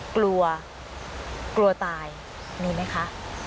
กลัวกลัวตายมีไหมคะ